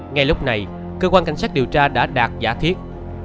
ngay lúc này cơ quan cảnh sát điều tra đã đạt giả thiết